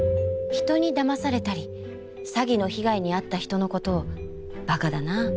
人にダマされたり詐欺の被害に遭った人のことをバカだなぁ。